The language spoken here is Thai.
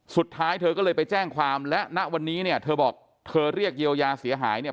เธอก็เลยไปแจ้งความและณวันนี้เนี่ยเธอบอกเธอเรียกเยียวยาเสียหายเนี่ย